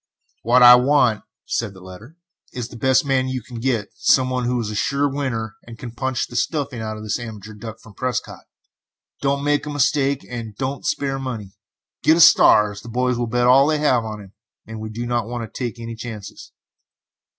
"What I want," said the letter, "is the best man you can get. Some one who is a sure winner, and can punch the stuffing out of this amateur duck from Prescott. Don't make a mistake, and do not spare money. Get a star, as the boys will bet all they have on him, and we do not want to take any chances."